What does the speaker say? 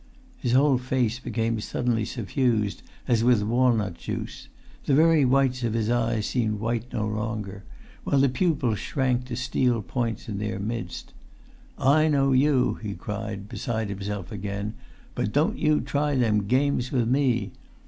His whole face became suddenly suffused, as with walnut juice; the very whites of his eyes seemed white no longer, while the pupils shrank to steel points in their midst. "I know you!" he cried, beside himself again; "but don't you try them games with me.